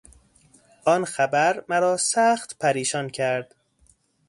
آن خبر مرا سخت پریشان کرد.